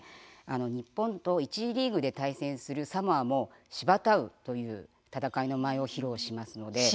日本と一次リーグで対戦するサモアも、シバタウという戦いの舞を披露します。